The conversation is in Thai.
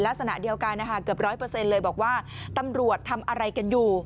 ลักษณะเดียวกันนะคะเกือบร้อยเปอร์เซ็นต์เลยบอกว่าตำรวจทำอะไรกันอยู่